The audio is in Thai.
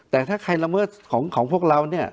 แต่ถ้าใครละเมิดของพวกเราเนี่ย